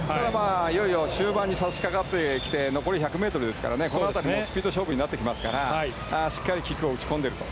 いよいよ終盤に差し掛かってきて残り１００ｍですからこの辺りはスピード勝負になってきますからしっかりキックを打ち込んでると。